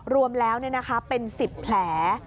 รวมแล้วเป็น๑๐แผล